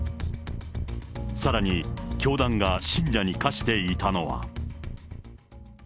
さらに教団が信者に課していたのは。